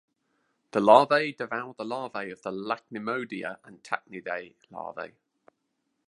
The larvae devour the larvae of the Ichneumonidae and Tachinidae larvae.